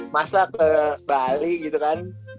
masa ke bali gitu kan